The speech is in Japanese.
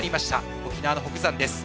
沖縄の北山です。